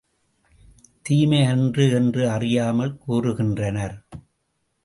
தீமையன்று என்று அறியாமல் கூறுகின்றனர்.